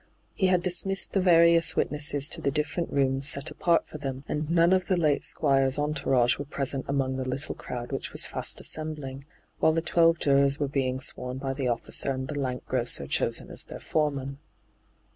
He had dismissed the varions witnesses to the different rooms set apart for them, and none of the late Squire's entourage were present among the little crowd which was fast assembling, while the twelve jurors were being sworn by the officer and the lank grocer chosen as their foreman.